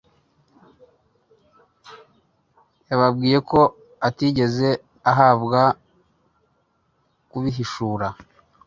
Yababwiye ko atigeze ahabwa kubihishura.